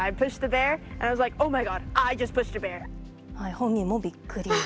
本人もびっくり。